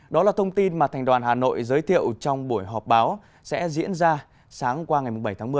đó là thông tin mà thành đoàn hà nội giới thiệu trong buổi họp báo sẽ diễn ra sáng qua ngày bảy tháng một mươi